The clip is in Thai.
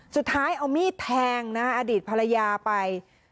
สุดท้ายเอามีดแทงนะอดีตภรรยาไป